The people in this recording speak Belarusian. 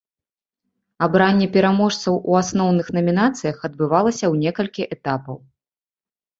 Абранне пераможцаў у асноўных намінацыях адбывалася ў некалькі этапаў.